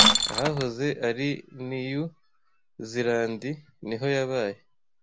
ahahoze ari Niyu zirandi niho yabaye